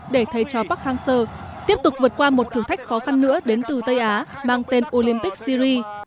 để thầy chó park hang seo tiếp tục vượt qua một thử thách khó khăn nữa đến từ tây á mang tên olympic syri